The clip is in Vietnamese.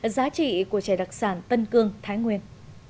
giá trị của chè đặc sản tân cương thái nguyên